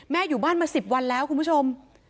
อยู่บ้านมา๑๐วันแล้วคุณผู้ชม